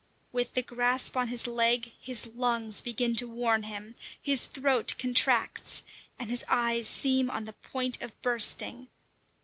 With the grasp on his leg, his lungs begin to warn him, his throat contracts, and his eyes seem on the point of bursting.